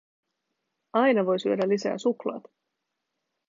Aina voi syödä lisää suklaata.